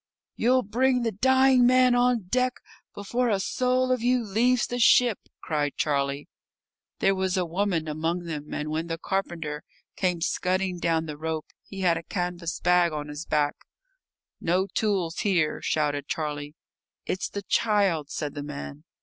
"You'll bring the dying man on deck before a soul of you leaves the ship," cried Charlie. There was a woman among them, and when the carpenter came scudding down the rope he had a canvas bag on his back. "No tools here," shouted Charlie. "It's the child," said the man.